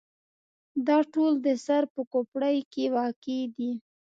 دا ټول د سر په کوپړۍ کې واقع دي.